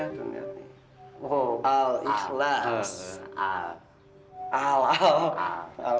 nic ho ahlah ah ah ah al ikhlas ayolah siti hutan masal kecil asal siti mau kang saya betul betul belum ada uang